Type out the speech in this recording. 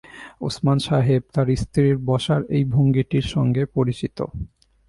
ওসমান সাহেব তাঁর স্ত্রীর বসার এই ভঙ্গিটির সঙ্গে পরিচিত।